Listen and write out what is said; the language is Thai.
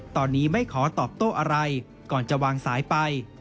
ตอนนี้ไม่ขอตอบโต้อะไรก่อนจะวางสายไป